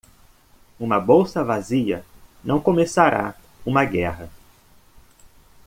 Uma bolsa vazia não começará uma guerra.